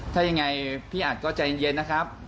ถ้ายังไงพี่อัดก็ใจเย็นนะครับ